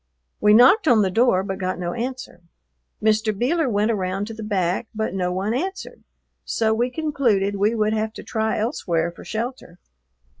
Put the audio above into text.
We knocked on the door, but got no answer. Mr. Beeler went around to the back, but no one answered, so we concluded we would have to try elsewhere for shelter.